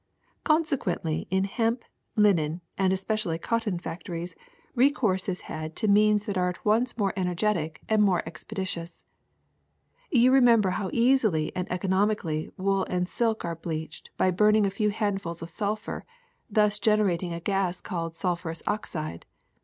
Consequently in hemp, linen, and especially cotton factories recourse is had 56 THE SECRET OF EVERYDAY THINGS to means that are at once more energetic and more expeditious. You remember how easily and economically wool and silk are bleached by burning a few handfuls of sulphur, thus generating a gas called sulphurous oxide.